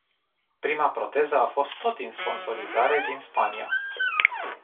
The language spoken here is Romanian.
Prima proteză a fost tot din sponsorizare, din Spania.